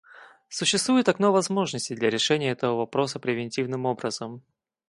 Существует «окно возможностей» для решения этого вопроса превентивным образом.